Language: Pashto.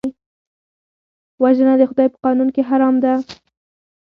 وژنه د خدای په قانون کې حرام ده